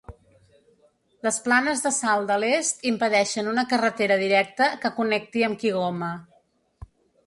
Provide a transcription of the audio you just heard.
Les planes de sal de l'est impedeixen una carretera directa que connecti amb Kigoma.